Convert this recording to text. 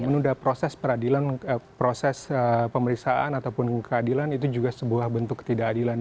menunda proses peradilan proses pemeriksaan ataupun keadilan itu juga sebuah bentuk ketidakadilan